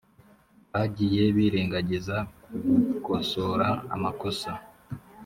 bagiye birengagiza kugukosora amakosa